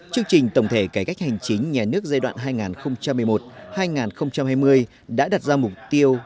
chương trình tổng thể cải cách hành chính nhà nước giai đoạn hai nghìn một mươi một hai nghìn hai mươi đã đặt ra mục tiêu